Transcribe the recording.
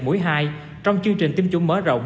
mũi hai trong chương trình tiêm chủng mở rộng